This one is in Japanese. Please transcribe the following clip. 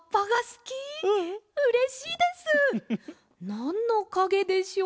なんのかげでしょう？